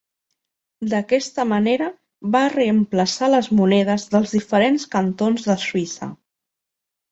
D'aquesta manera va reemplaçar les monedes dels diferents cantons de Suïssa.